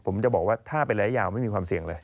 ผมจะบอกว่าถ้าเป็นระยะยาวไม่มีความเสี่ยงเลย